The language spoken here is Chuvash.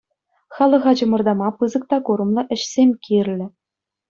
Халӑха чӑмӑртама пысӑк та курӑмлӑ ӗҫсем кирлӗ.